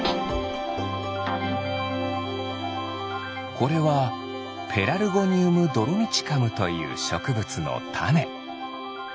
これはペラルゴニウムドロミチカムというしょくぶつのタネ。